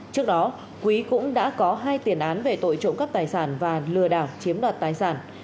trước đó quý cũng đã có hai tiền án về tội trộm cắp tài sản và lừa đảo chiếm đoạt tài sản